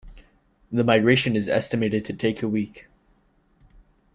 The migration is estimated to take a week.